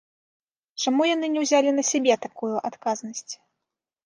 Чаму яны не ўзялі на сябе такую адказнасць?